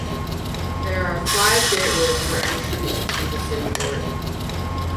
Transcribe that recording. There are five gateways for entry into the city fort.